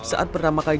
saat pertama kali